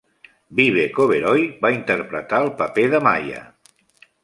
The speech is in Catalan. Vivek Oberoi va interpretar el paper de Maya.